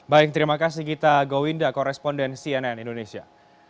baik terima kasih gita gowinda koresponden cnn indonesia